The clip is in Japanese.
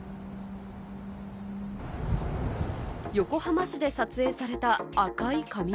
横浜市で撮影された赤い雷。